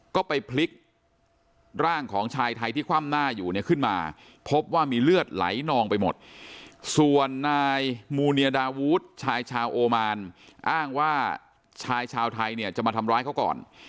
ก็ไปพลิกร่างของชายไทยที่คว่ำหน้าอยู่เนี่ยขึ้นมาพบว่ามีเลือดไหลนองไปหมดส่วนนายมูเนียดาวูดชายชาวโอมานอ้างว่าชายชาวไทยเนี่ยจะมาทำร้ายเขาก่อน